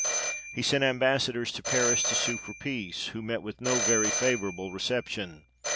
He sent Ambassadors to Paris, to sue for peace, who met with no very favourable reception.